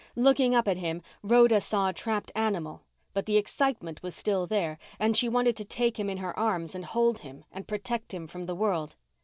Looking up at him, Rhoda saw a trapped animal, but the excitement was still there and she wanted to take him in her arms and hold him and protect him from the world.